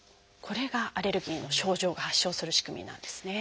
これがアレルギーの症状が発症する仕組みなんですね。